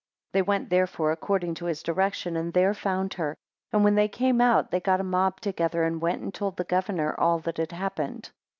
3 They went therefore according to his direction, and there found her; and when they came out, they got a mob together, and went and told the governor all that had happened.